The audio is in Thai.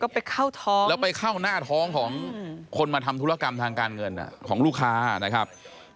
ไปเข้าท้องแล้วไปเข้าหน้าท้องของคนมาทำธุรกรรมทางการเงินของลูกค้านะครับ